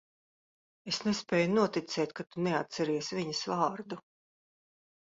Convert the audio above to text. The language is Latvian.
Es nespēju noticēt, ka tu neatceries viņas vārdu.